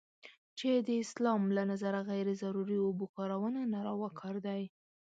چې د اسلام له نظره غیر ضروري اوبو کارونه ناروا کار دی.